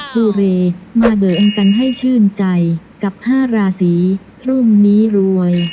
ภูเรมาเดินกันให้ชื่นใจกับ๕ราศีพรุ่งนี้รวย